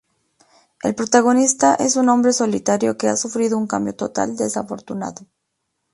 El protagonista es un hombre solitario que ha sufrido un cambio total desafortunado.